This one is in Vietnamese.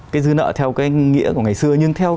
cái dư nợ theo cái nghĩa của ngày xưa nhưng theo